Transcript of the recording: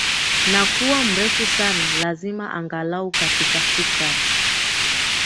na kuwa mrefu sana lazima angalau katika shukrani